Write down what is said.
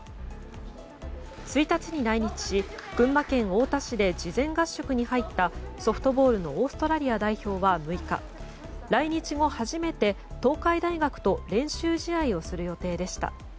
１日に来日し群馬県太田市で事前合宿に入ったソフトボールのオーストラリア代表は６日、来日後初めて東海大学と練習試合をする予定でした。